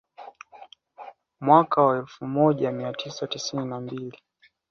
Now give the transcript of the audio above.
Mwaka wa elfu moja mia tisa tisini na mbili